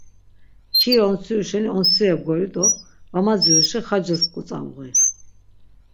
Mkiri ontsiru şeni ontsire bgori do va madziruşi Xacces gotzavuği.